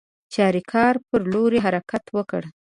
چاریکار پر لور حرکت وکړ.